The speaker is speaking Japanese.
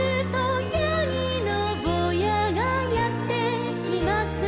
「やぎのぼうやがやってきます」